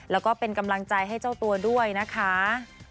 แล้วก็เป็นกำลังใจให้เจ้าตัวด้วยนะคะ